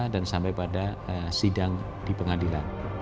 dan sampai pada sidang di pengadilan